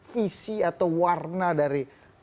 visi atau warna dari